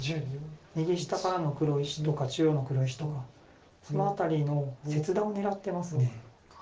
右下からの黒石とか中央の黒石とかその辺りの切断を狙ってます。